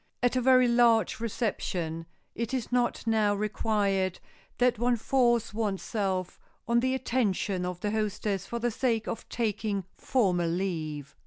At a very large reception it is not now required that one force one's self on the attention of the hostess for the sake of taking formal leave.